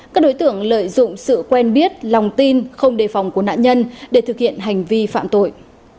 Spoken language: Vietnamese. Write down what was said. các đối tượng lợi dụng sự quen biết lòng tin không đề phòng của nạn nhân để thực hiện hành vi phạm tội